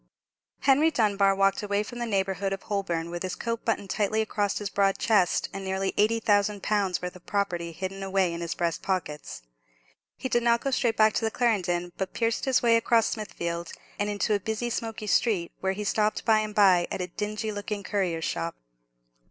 Henry Dunbar walked away from the neighbourhood of Holborn with his coat buttoned tightly across his broad chest, and nearly eighty thousand pounds' worth of property hidden away in his breast pockets. He did not go straight back to the Clarendon, but pierced his way across Smithfield, and into a busy smoky street, where he stopped by and by at a dingy looking currier's shop.